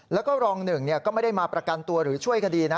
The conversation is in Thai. แล้วก็รองหนึ่งก็ไม่ได้มาประกันตัวหรือช่วยคดีนะ